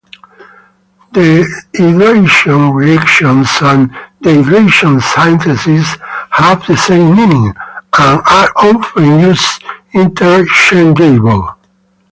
Dehydration reactions and dehydration synthesis have the same meaning, and are often used interchangeably.